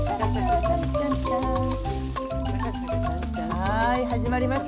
はい始まりました。